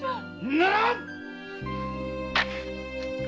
ならん‼